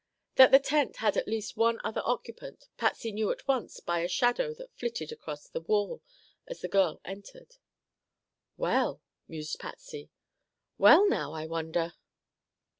That the tent had at least one other occupant, Patsy knew at once by a shadow that flitted across the wall as the girl entered. "Well," mused Patsy. "Well, now, I wonder?"